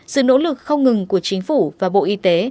sự nỗ lực không ngừng của chính phủ và bộ y tế